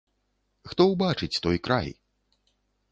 Хто ўбачыць той край?